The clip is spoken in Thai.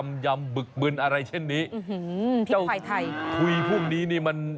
เรามยำบึกเบินอะไรเช่นนี้หุนที่ไทยทุยพรุ่งนี้เนี่ยมัน